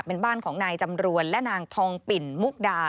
เป็นบ้านของนายจำรวนและนางทองปิ่นมุกดา